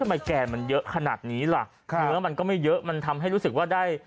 แก่มันเยอะขนาดนี้ล่ะเนื้อมันก็ไม่เยอะมันทำให้รู้สึกว่าได้